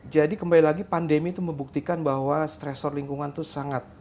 jadi kembali lagi pandemi itu membuktikan bahwa stressor lingkungan itu sangat banyak